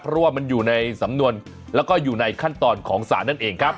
เพราะว่ามันอยู่ในสำนวนแล้วก็อยู่ในขั้นตอนของศาลนั่นเองครับ